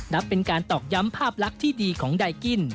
นับเป็นการตอกย้ำภาพลักษณ์ที่ดีของไดกิ้น